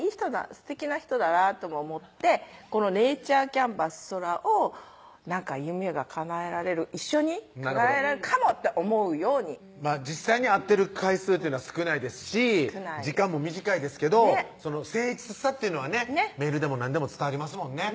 すてきな人だなとも思ってネイチャーキャンパス宙を夢がかなえられる一緒にかなえられるかもって思うように実際に会ってる回数っていうのは少ないですし時間も短いですけど誠実さっていうのはねメールでも何でも伝わりますもんね